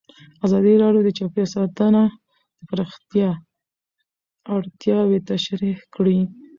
ازادي راډیو د چاپیریال ساتنه د پراختیا اړتیاوې تشریح کړي.